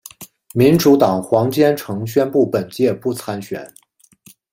民主党黄坚成宣布本届不参选。